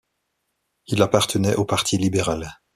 Il appartenait au parti libéral.